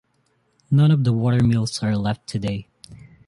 None of the watermills are left today.